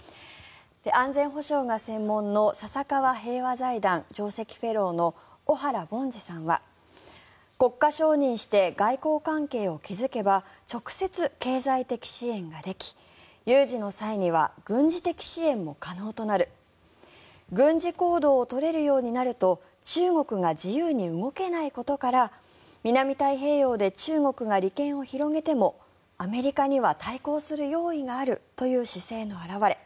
安全保障が専門の笹川平和財団上席フェローの小原凡司さんは国家承認して外交関係を築けば直接経済的支援ができ有事の際には軍事的支援も可能となる軍事行動を取れるようになると中国が自由に動けないことから南太平洋で中国が利権を広げてもアメリカには対抗する用意があるという姿勢の表れ